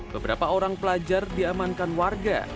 beberapa orang pelajar diamankan warga